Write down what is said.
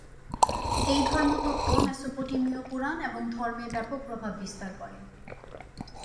এই ধর্মতত্ত্ব মেসোপটেমীয় পুরাণ এবং ধর্মে ব্যাপক প্রভাব বিস্তার করে।